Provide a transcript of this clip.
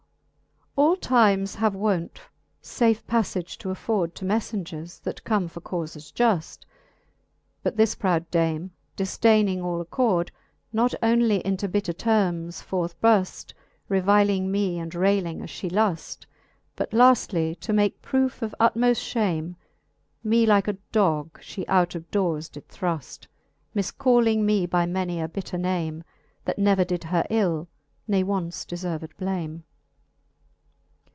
XXII. All times have wont fafe palTage to afford To meflengers, that come for caufes juft : But this proude dame, difdayning all accord. Not onely into bitter termes forth bruft, Reviling me, and ray ling as fhe luft, But laftly to make proofe of utmoft fhame. Me like a dog fhe out of dores did thruft, Mifcalling me by many a bitter name, That never did her ill, ne once deferved blame.